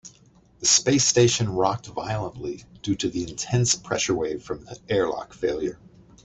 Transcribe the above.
The space station rocked violently due to the intense pressure wave from the airlock failure.